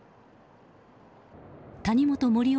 谷本盛雄